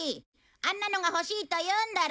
あんなのが欲しいと言うんだろ？